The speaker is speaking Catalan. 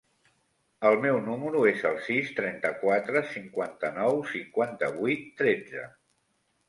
El meu número es el sis, trenta-quatre, cinquanta-nou, cinquanta-vuit, tretze.